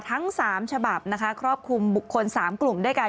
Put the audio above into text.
ทั้ง๓ฉบับนะคะครอบคลุมบุคคล๓กลุ่มด้วยกัน